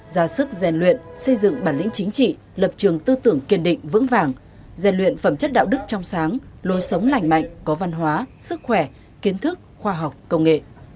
ra sức gian luyện xây dựng bản lĩnh chính trị lập trường tư tưởng kiên định vững vàng rèn luyện phẩm chất đạo đức trong sáng lối sống lành mạnh có văn hóa sức khỏe kiến thức khoa học công nghệ